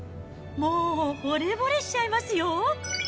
もう、ほれぼれしちゃいますよ。